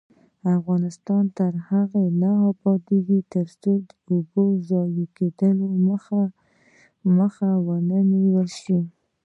افغانستان تر هغو نه ابادیږي، ترڅو د اوبو د ضایع کیدو مخه ونیول نشي.